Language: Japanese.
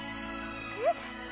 えっ！